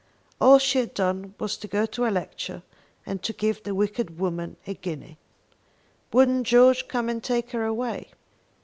All she had done was to go to a lecture, and to give the wicked woman a guinea. Wouldn't George come and take her away.